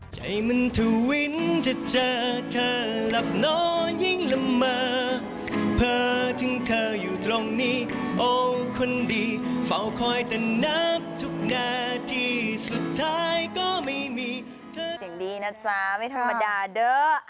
เสียงดีนะจ้าไม่ธรรมดาเด้อ